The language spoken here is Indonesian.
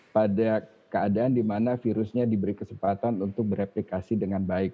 pada keadaan di mana virusnya diberi kesempatan untuk bereplikasi dengan baik